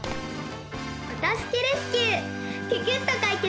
お助けレスキューキュキュっと解決！